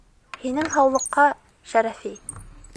— Һинең һаулыҡҡа, Шәрәфи!